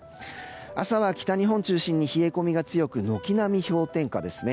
朝は北日本を中心に冷え込みが強く軒並み氷点下ですね。